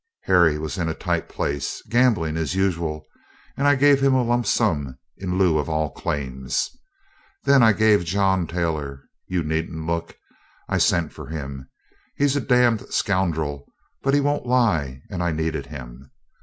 Harry was in a tight place gambling as usual and I gave him a lump sum in lieu of all claims. Then I gave John Taylor you needn't look. I sent for him. He's a damned scoundrel; but he won't lie, and I needed him.